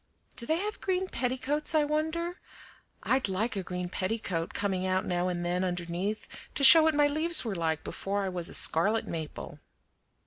Do they have green petticoats, I wonder? I'd like a green petticoat coming out now and then underneath to show what my leaves were like before I was a scarlet maple."